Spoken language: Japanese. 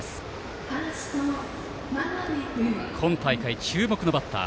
今大会、注目のバッター